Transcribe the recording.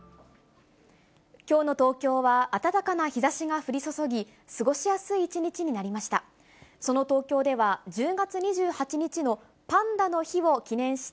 きょうの東京は、暖かな日ざしが降り注ぎ、過ごしやすい一日になりました。